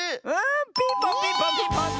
ピンポンピンポンピンポン！